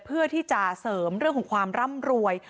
เพื่อที่จะเสริมเรื่องของความร่ำรวย